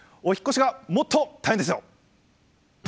お引っ越しがもっと大変ですよ。